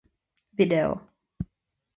Video.